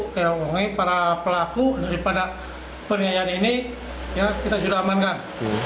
yang mengungi para pelaku daripada penganiayaan ini ya kita sudah amankan